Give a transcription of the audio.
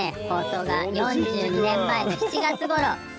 放送が４２年前の７月ごろ。